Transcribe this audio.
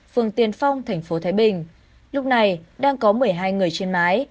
phường tiền phong thành phố thái bình lúc này đang có một mươi hai người trên mái